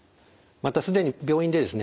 また既に病院でですね